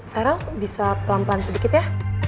farel bisa pelan pelan sedikit ya